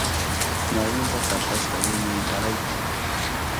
Ñawinta tapashka wiñaypayrayku.